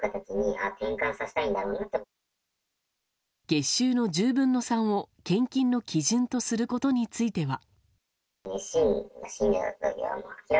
月収の１０分の３を献金の基準とすることについては。